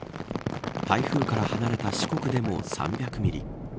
台風から離れた四国でも３００ミリ